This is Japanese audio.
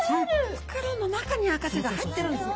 袋の中に赤ちゃんが入ってるんですね。